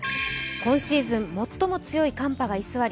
今シーズン最も強い寒波が居座り